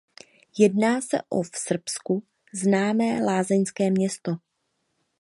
Jedná se o v Srbsku známé lázeňské město.